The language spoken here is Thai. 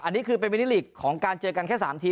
อันนี้คือเป็นมินิลิกของการเจอกันแค่๓ที